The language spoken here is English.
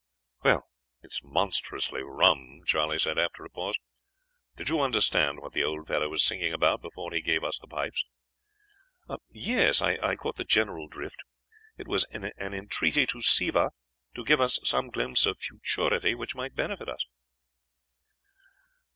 "'Well, it is monstrously rum,' Charley said after a pause. 'Did you understand what the old fellow was singing about before he gave us the pipes?' "'Yes; I caught the general drift. It was an entreaty to Siva to give us some glimpse of futurity which might benefit us.'